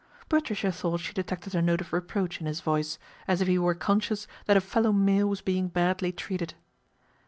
Patricia thought she detected a note of reproach n his voice, as if he were conscious that a fellow male was being badly treated.